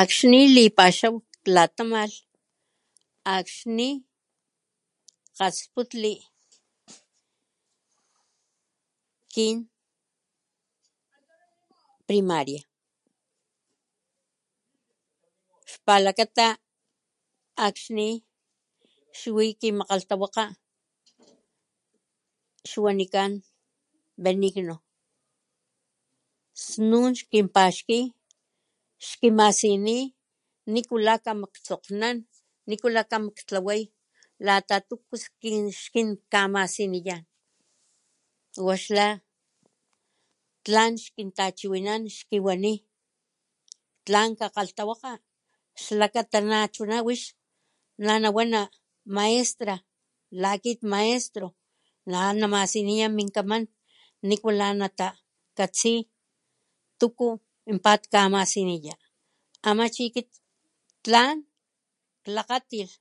Akxni lipaxaw klatamalh akxni kgalhsputli kin primaria xpalakata akxni xwi kin makgalhtawakga xwanikan Benigno snun xkin paxki xkimasini nikula kamatsokgnan nikula kama ktlaway lata tuku skin xkin xkinkamasiniyan wa xla tlan xkintachiwinan xkiwani tlan kgakgalhtawakga xlakata nachuna wix na nawana maestra la kit maestro la namasiniya min kaman nikula natakatsi tuku pat kamasiniya ama chi kit tlan klakgatilh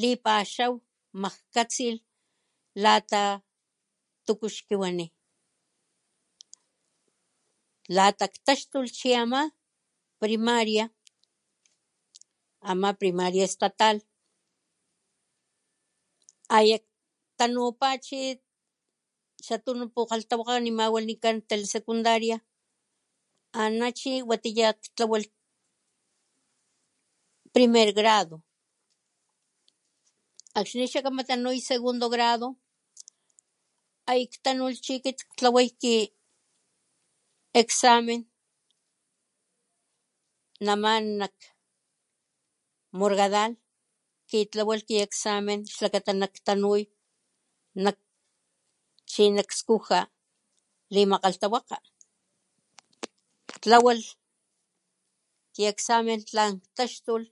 lipaxaw majkatsilh lata tuku xkiwani lata ktaxtulh chi ama primaria, ama primaria Estatal aya ktanupa chi xa tunu pukgalhtawakga ama wanikan Telesecundaria ana chi watiya ktlawalh primer grado akxni xakama tanuy segundo grado aya ktanulh chi kit ktlawa ki examen nama nak Morgadal jkitlawalh ki examen xlakata nak tanuy nak chi nak skuja limakgalhtawakga ktlawalh ki examen tlan ktaxtulh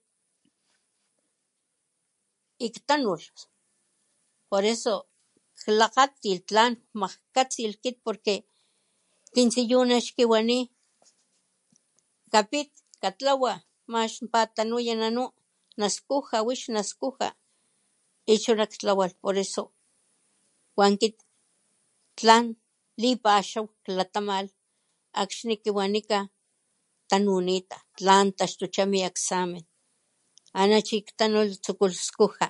y ktanulh por eso klakgatilh tlan kmajkatsilh kit porque kin tsiyuna xkiwani kapit katlawa max pat tanuya nanu naskuja wix naskuja y chuna ktawalh por eso kwan kit tlan lipaxaw klatamalh akxni ki wanika tanunita tlan taxtucha mi examen ana chi ktanulh ktsukulh skuja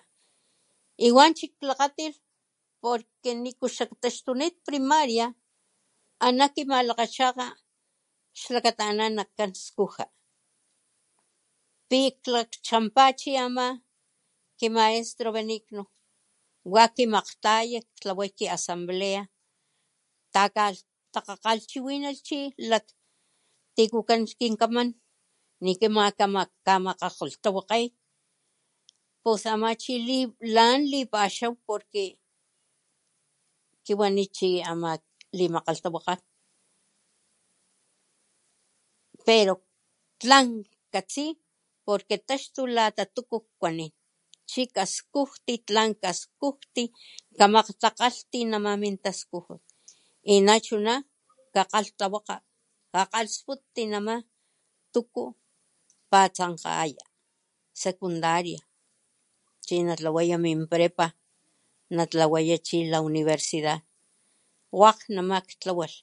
y wanchi klakgatilh porque niku xak ktaxtunit kit primaria ana kimalakgachaka xlakata ana nakan skuja pi klakgchanpa chi ama ki maestro Benigno wa kimakgtayalh ktlawalh ki asamblea jkatakgalhchiwinal chi kaxtikukan kin kaman niku kamakgalhtawakge pus ama chi lan lipaxaw porque kiwani chi ama limakgalhtawakga pero tlan jkatsi porque taxtulh lata tuku kuanin chi kaskujti tlan kaskujti kamakgtakgalhti nama min taskujut nina chuna ka kkgalhtawakga kakalhsputti nama tuku patsankgaya secundaria china tlawaya min prepa natlawaya chi la universidad wakg nama ktlawalh por eso wanama lipaxaw kmakgkatsi kit watiya.